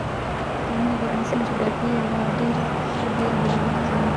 قومونه د افغانستان د جغرافیې یوه ډېره ښه بېلګه ګڼل کېږي.